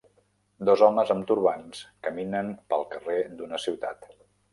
Dos homes amb turbants caminen pel carrer d'una ciutat.